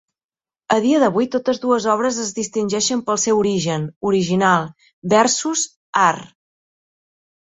A dia d'avui, totes dues obres es distingeixen pel seu origen: "Original" versus "arr.